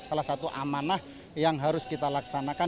salah satu amanah yang harus kita laksanakan